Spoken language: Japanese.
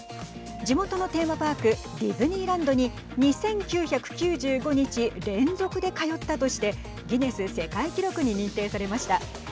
地元のテーマパークディズニーランドに２９９５日連続で通ったとしてギネス世界記録に認定されました。